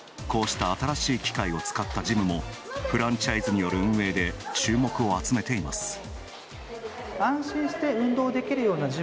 こうした新しい機械を使ったジムもフランチャイズによる運営で注目を集めています。